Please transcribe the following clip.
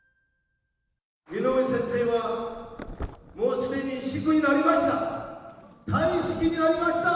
井上先生は、もうすでにシックになりました。